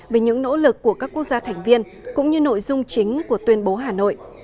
về những nỗ lực của các quốc gia thành viên cũng như nội dung chính của tuyên bố hà nội